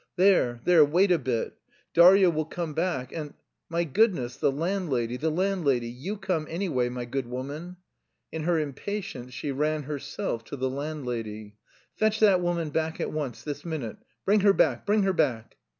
"There, there, wait a bit! Darya will come back and... My goodness, the landlady, the landlady, you come, anyway, my good woman!" In her impatience she ran herself to the landlady. "Fetch that woman back at once, this minute. Bring her back, bring her back!"